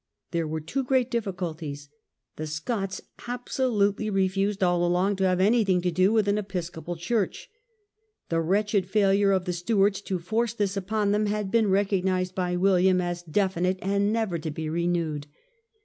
There ^'^^' were two great difficulties. The Scots abso lutely refused all along to have anything to do with an Episcopal Church. The wretched failure of the Stewarts to force this upon them had been recognized by William as definite and never to be renewed.